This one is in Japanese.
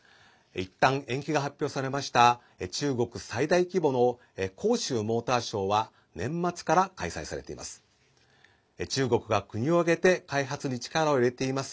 いったん延期が発表されました中国最大規模の広州モーターショーは年末から開催されています。